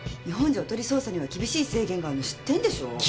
日本じゃおとり捜査には厳しい制限があんの知ってんでしょ？